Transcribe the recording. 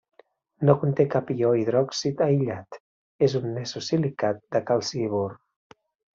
No conté cap ió hidròxid aïllat, és un nesosilicat de calci i bor.